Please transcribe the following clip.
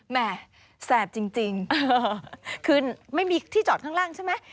แห่แสบจริงคือไม่มีที่จอดข้างล่างใช่ไหม